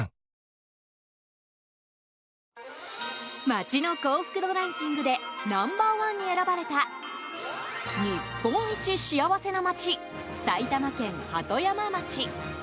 街の幸福度ランキングでナンバー１に選ばれた日本一幸せな街、埼玉県鳩山町。